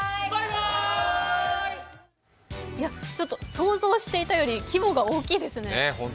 想像していたより規模が大きいですね